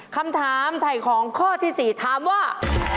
คำถามไถ่ของข้อที่๔ถามว่า